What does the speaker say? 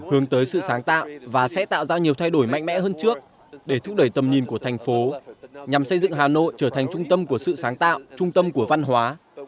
hướng tới sự sáng tạo và sẽ tạo ra nhiều thay đổi mạnh mẽ hơn trước để thúc đẩy tầm nhìn của thành phố nhằm xây dựng hà nội trở thành trung tâm của sự sáng tạo trung tâm của văn hóa